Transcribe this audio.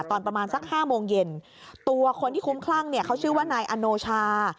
ตอนประมาณสัก๕โมงเย็นตัวคนที่คุ้มคลั่งเนี่ยเขาชื่อว่านายอโนชา